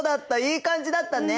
いい感じだったね。